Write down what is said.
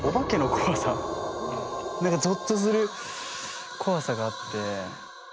何かぞっとする怖さがあって。